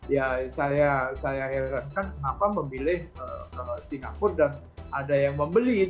ya saya herankan kenapa memilih singapura dan ada yang membeli